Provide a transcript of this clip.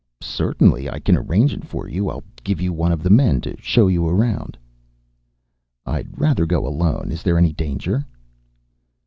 "Certainly. I can arrange it for you. I'll give you one of the men to show you around." "I'd rather go alone. Is there any danger?"